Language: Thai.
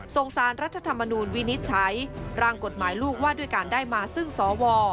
สารรัฐธรรมนูลวินิจฉัยร่างกฎหมายลูกว่าด้วยการได้มาซึ่งสว